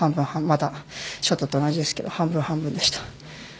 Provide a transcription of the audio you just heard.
またショートと同じですが半分半分でした。